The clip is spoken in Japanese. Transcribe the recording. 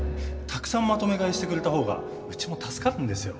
たくさんまとめ買いしてくれた方がうちも助かるんですよ。